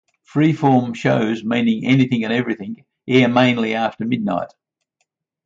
Freeform shows, meaning anything and everything, air mainly after midnight.